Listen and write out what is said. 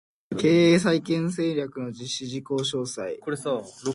経営再建戦略の実施事項詳細